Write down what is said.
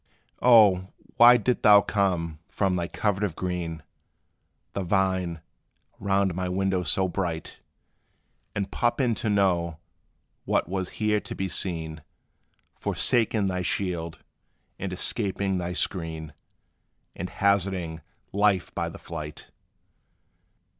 O why didst thou come from thy covert of green, The vine, round my window so bright; And pop in to know what was here to be seen, Forsaking thy shield, and escaping thy screen, And hazarding life by the flight?